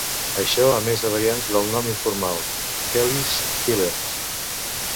Això a més de variants del nom informal "Kelly's Killers".